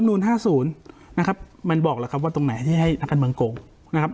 อ่านุน๕๐นะครับมันบอกแล้วครับว่าตรงไหนที่ให้บังกงนะครับ